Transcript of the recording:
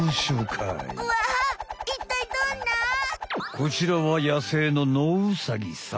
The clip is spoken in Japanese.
こちらは野生のノウサギさん。